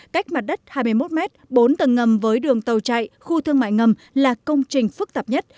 cách mặt đất hai mươi một m bốn tầng ngầm với đường tàu chạy khu thương mại ngầm là công trình phức tạp nhất